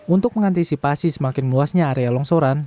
untuk mengantisipasi semakin muasnya area longsoran